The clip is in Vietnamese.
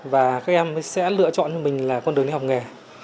và các em sẽ lựa chọn cho mình là con đường đi học nghề